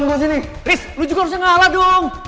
chris lo juga harusnya ngalah dong